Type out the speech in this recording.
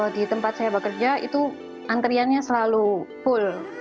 di tempat saya bekerja itu antriannya selalu full